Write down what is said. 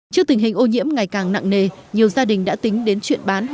trước tình hình ô nhiễm ngày càng nặng nề nhiều gia đình đã tính đến chuyện bán